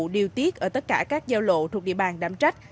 điều tiết ở tất cả các giao lộ thuộc địa bàn đám trách